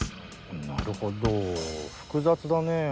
なるほど複雑だねぇ。